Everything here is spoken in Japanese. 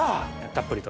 たっぷりと。